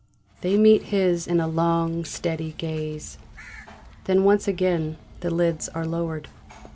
They meet his in a long, steady gaze. Then once again the lids are lowered.